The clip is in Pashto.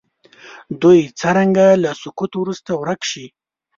دوی څرنګه له سقوط وروسته ورک شي.